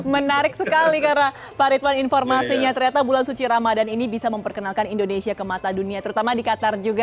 menarik sekali karena pak ridwan informasinya ternyata bulan suci ramadan ini bisa memperkenalkan indonesia ke mata dunia terutama di qatar juga